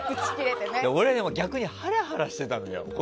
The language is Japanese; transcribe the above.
俺、逆にハラハラしてたんだよ。